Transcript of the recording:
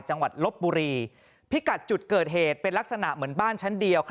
ลบบุรีพิกัดจุดเกิดเหตุเป็นลักษณะเหมือนบ้านชั้นเดียว